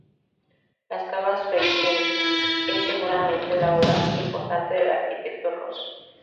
Las Cavas Freixenet es seguramente la obra más importante del arquitecto Ros.